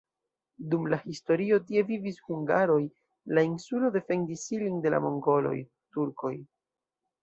Dum la historio tie vivis hungaroj, la insulo defendis ilin de la mongoloj, turkoj.